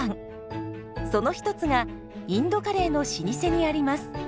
その一つがインドカレーの老舗にあります。